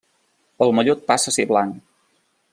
El mallot passa a ser blanc.